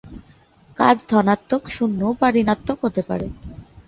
কাজ ধনাত্মক, শূন্য বা ঋণাত্মক হতে পারে।